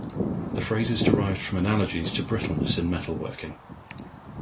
The phrase is derived from analogies to brittleness in metalworking.